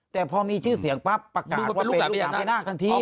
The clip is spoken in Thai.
แต่พอมีชื่อเสียงปั๊บปักมือมาเป็นลูกหลานพญานาคทันที